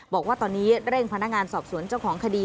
บอกว่าตอนนี้เร่งพนักงานสอบสวนเจ้าของคดี